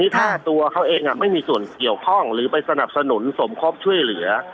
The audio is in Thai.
ถ้าตัวเขาเองไม่มีส่วนเกี่ยวข้องหรือไปสนับสนุนสมคบช่วยเหลือ